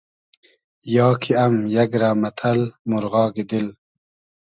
یا کی ام یئگ رۂ مئتئل مورغاگی دیل